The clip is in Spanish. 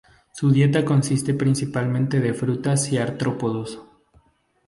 Su dieta consiste principalmente de frutas y artrópodos.